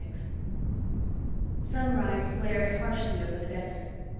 VI Sunrise glared harshly over the desert.